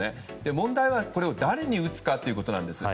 問題は、これを誰に打つかということです。